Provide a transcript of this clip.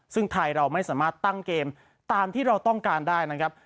ซึ่งไทยเราไม่สามารถตั้งเกมตามที่เราต้องการได้นะครับ